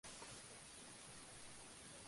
Es famoso por provocar sed a los consumidores.